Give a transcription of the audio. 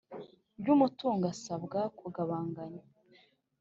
ry umutungo asabwa kugabagabanya